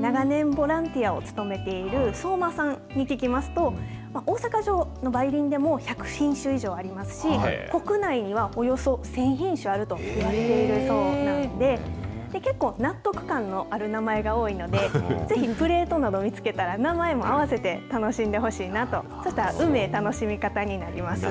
長年、ボランティアを務めている相馬さんに聞きますと、大阪城の梅林でも１００品種以上ありますし、国内にはおよそ１０００品種あるといわれているそうなんで、結構、納得感のある名前が多いので、ぜひプレートなど見つけたら、名前も併せて楽しんでほしいなと、そしたらうめぇ楽しみ方になります。